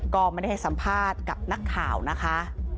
ก็ไม่ได้ให้สัมภาษณ์กับนักข่าวนะคะ